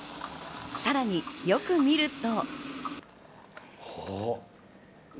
さらによく見ると。